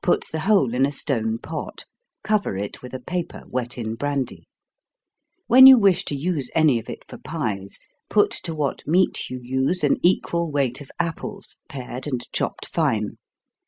Put the whole in a stone pot cover it with a paper wet in brandy. When you wish to use any of it for pies, put to what meat you use an equal weight of apples, pared and chopped fine.